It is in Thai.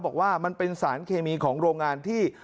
บอกว่ามันเป็นสารเคมีของโรงงานที่